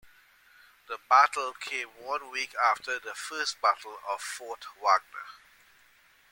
The battle came one week after the First Battle of Fort Wagner.